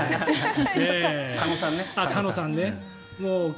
鹿野さんね。